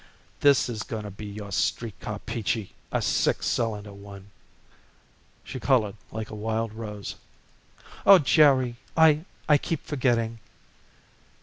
"This is going to be your street car, Peachy, a six cylinder one." She colored like a wild rose. "Oh, Jerry, I I keep forgetting."